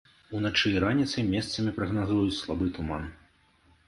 Уначы і раніцай месцамі прагназуюць слабы туман.